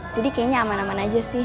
jadi kayaknya aman aman aja sih